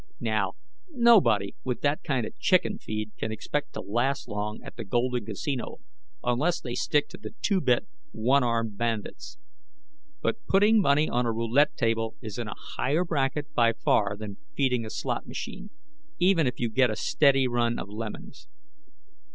Now, nobody with that kind of chicken feed can expect to last long at the Golden Casino unless they stick to the two bit one armed bandits. But putting money on a roulette table is in a higher bracket by far than feeding a slot machine, even if you get a steady run of lemons.